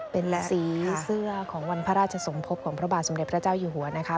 เป็นสีเสื้อของวันพระราชสมภพของพระบาทสมเด็จพระเจ้าอยู่หัวนะคะ